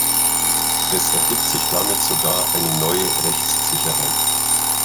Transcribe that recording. Es ergibt sich damit sogar eine neue Rechtssicherheit.